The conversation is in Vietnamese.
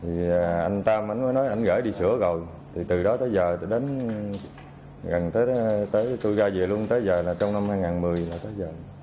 thì anh tam mới nói anh gửi đi sửa rồi thì từ đó tới giờ đến gần tới tôi ra về luôn tới giờ là trong năm hai nghìn một mươi là tới giờ